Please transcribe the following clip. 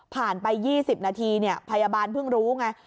ไป๒๐นาทีพยาบาลเพิ่งรู้ไง